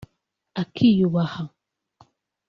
akiyubaha